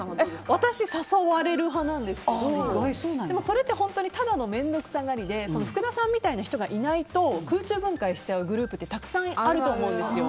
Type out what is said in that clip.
私、誘われる派なんですけどそれって本当にただの面倒くさがりで福田さんみたいな人がいないと空中分解しちゃうグループってたくさんあると思うんですよ。